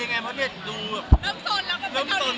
มีใครปิดปาก